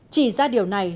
chỉ ra điều này